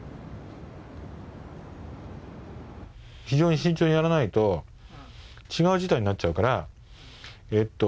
非常に慎重にやらないと違う事態になっちゃうから。